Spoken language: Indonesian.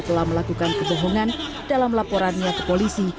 telah melakukan kebohongan dalam laporannya ke polisi